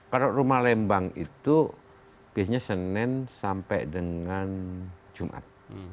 kalau rumah lembang itu biasanya senin sampai dengan jumat